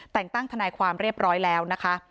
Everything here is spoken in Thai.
แต่งตั้งทนายความเรียบร้อยแล้วนะคะ